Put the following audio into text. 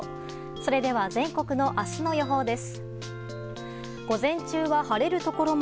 それでは全国の明日の予報です。